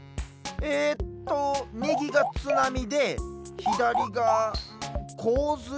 えっとみぎがつなみでひだりがんこうずい？